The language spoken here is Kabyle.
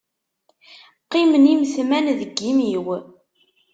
Qqimen imetman deg imi-w.